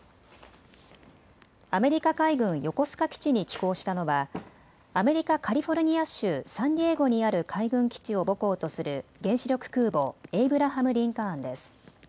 アメリカ海軍横須賀基地に寄港したのは、アメリカ・カリフォルニア州サンディエゴにある海軍基地を母港とする原子力空母エイブラハム・リンカーンです。